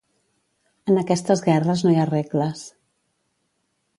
En aquestes guerres no hi ha regles.